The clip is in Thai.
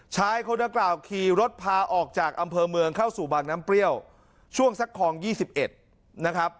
ชายคนดังกล่าวขี่รถพาออกจากอำเภอเมืองเข้าสู่บางน้ำเปรี้ยวช่วงสักคลอง๒๑นะครับ